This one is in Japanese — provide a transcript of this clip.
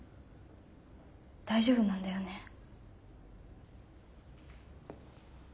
大丈夫なんだよね？